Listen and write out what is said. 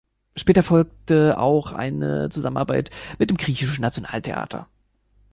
Später folgte auch eine Zusammenarbeit mit dem Griechischen Nationaltheater.